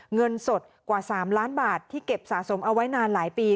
เงินสดกว่า๓ล้านบาทที่เก็บสะสมเอาไว้นานหลายปี